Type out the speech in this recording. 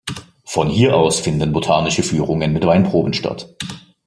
Von hier aus finden botanische Führungen mit Weinproben statt.